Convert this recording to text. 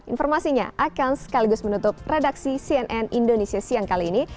informasinya akan sekaligus menutup redaksi cnn indonesia siang kali ini